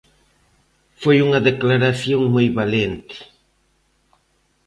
Foi unha declaración moi valente.